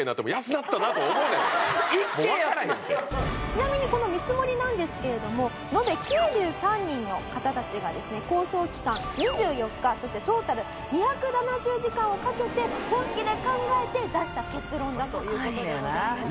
ちなみにこの見積もりなんですけれども延べ９３人の方たちがですね構想期間２４日そしてトータル２７０時間をかけて本気で考えて出した結論だという事でございます。